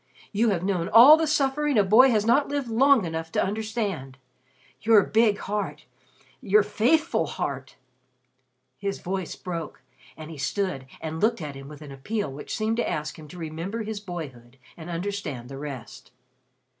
You have known all the suffering a boy has not lived long enough to understand. Your big heart your faithful heart " his voice broke and he stood and looked at him with an appeal which seemed to ask him to remember his boyhood and understand the rest.